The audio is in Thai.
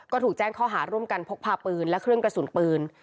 ก็ถูกแจ้งข้อหาร่วมกันพกพาปืนและเครื่องกระสุนปืน